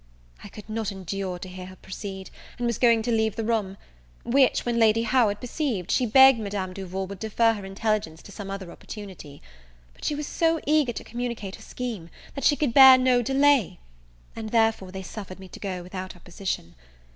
I could not endure to hear her proceed, and was going to leave the room; which, when Lady Howard perceived, she begged Madame Duval would defer her intelligence to some other opportunity; but she was so eager to communicate her scheme, that she could bear no delay; and therefore they suffered me to go without opposition.